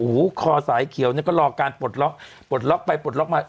คอสายเขียวเนี่ยก็รอการปลดล็อกปลดล็อกไปปลดล็อกมา